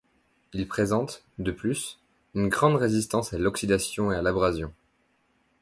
Il présente, de plus, une grande résistance à l'oxydation et à l'abrasion.